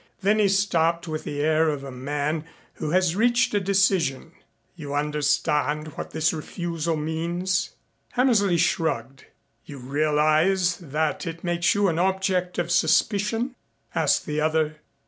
Then he stopped with the air of a man who has reached a decision. "You understand what this refusal means?" Hammersley shrugged. "You realize that it makes you an object of suspicion?" asked the other.